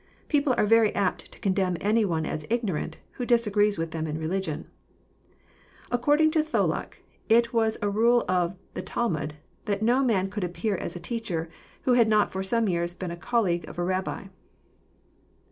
People are very apt to condemn any one as ignorant " who disagrees with them in religion. According to Tholuck, it was a nil 3 of the Talmud, " that no man could appear as a teacher, who liad not for some years been a colleague of a Rabbi."